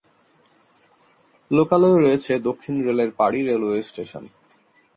লোকালয়ে রয়েছে দক্ষিণ রেলের পাড়ি রেলওয়ে স্টেশন।